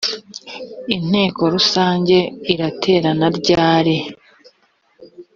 inteko rusange iraterana ryari